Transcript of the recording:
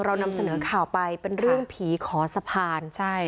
เรานำเสนอข่าวไปเป็นเรื่องผีขอสะพานใช่